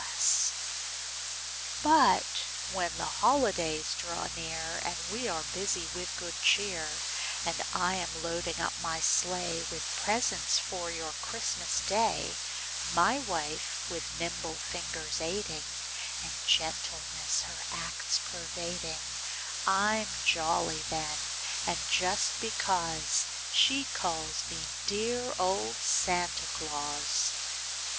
'" C ' S '^!' S > jn|B r*5v;'j ll 1 S I 1 1 1 1^*1 Copyrighted, 1897 lUT when the holidays draw near And we are busy with good cheer, And I am loading up my sleigh With presents for your Christmas Day, My wife with nimble fingers aiding, And gentleness her acts pervading, I'm jolly then, and just because She calls me 'dear old Santa Claus.